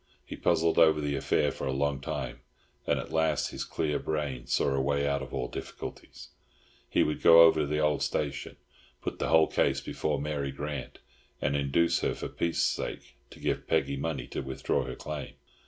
He puzzled over the affair for a long time, and at last his clear brain saw a way out of all difficulties. He would go over to the old station, put the whole case before Mary Grant, and induce her for peace' sake to give Peggy money to withdraw her claim.